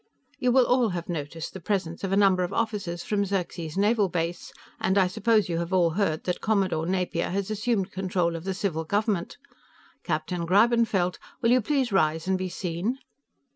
"You will all have noticed the presence of a number of officers from Xerxes Naval Base, and I suppose you have all heard that Commodore Napier has assumed control of the civil government. Captain Greibenfeld, will you please rise and be seen?